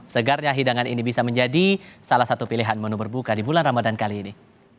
segarnya hidangan ini bisa menjadi salah satu pilihan menu berbuka di bulan ramadan kali ini